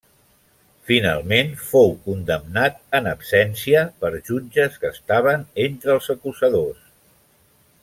Finalment fou condemnat en absència per jutges que estaven entre els acusadors.